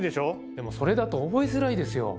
でもそれだと覚えづらいですよ。